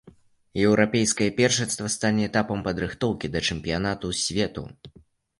Еўрапейскае першынство стане этапам падрыхтоўкі да чэмпіянату свету.